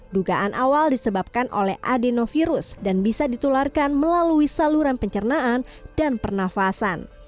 dugaan awal disebabkan oleh adenovirus dan bisa ditularkan melalui saluran pencernaan dan pernafasan